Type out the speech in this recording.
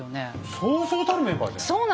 そうそうたるメンバーじゃない。